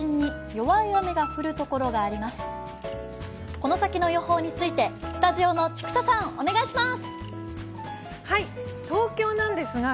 この先の予報についてスタジオの千種さん、お願いします。